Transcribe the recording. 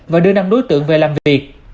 và đưa năm đối tượng về làm việc